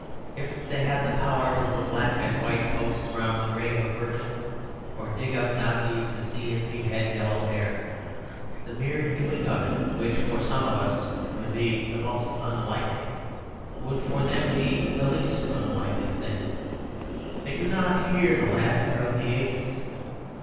If they had the power to put black and white posts round the grave of Virgil, or dig up Dante to see if he had yellow hair, the mere doing of it which for some of us would be the most unlikely, would for them be the least unlikely thing. They do not hear the laughter of the ages.